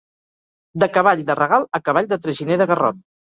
De cavall de regal, a cavall de traginer de garrot.